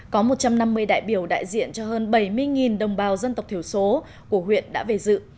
có một trăm năm mươi đại biểu đại diện cho hơn bảy mươi đồng bào dân tộc thiểu số của huyện đã về dự